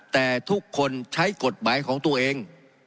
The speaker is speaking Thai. แต่ทุกคนใช้กฎหมายของตัวเอง